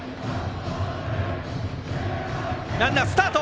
ランナースタート。